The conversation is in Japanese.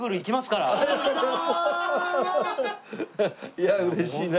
いやあ嬉しいな。